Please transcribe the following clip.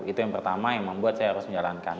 itu yang pertama yang membuat saya harus menjalankan